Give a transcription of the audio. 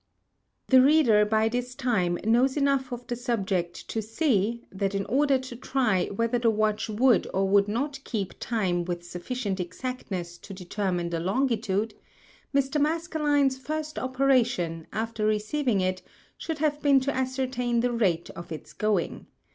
The Reader by this Time knows enough of the Subject to see, that in order to try whether the Watch would or would not keep Time with sufficient Exactness to determine the Longitude, Mr. _Maskelyne_ŌĆÖs first Operation, after receiving it, should have been to ascertain the Rate of its going.